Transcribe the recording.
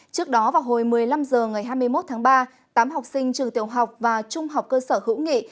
trước đó vào hồi một mươi năm h ngày hai mươi một tháng ba tám học sinh trường tiểu học và trung học cơ sở hữu nghị